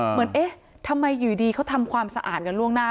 เหมือนเอ๊ะทำไมอยู่ดีเขาทำความสะอาดกันล่วงหน้า